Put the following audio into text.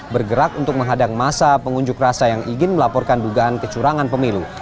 bergerak untuk menghadang masa pengunjuk rasa yang ingin melaporkan dugaan kecurangan pemilu